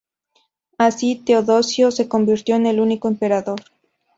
Así Teodosio se convirtió en el único emperador.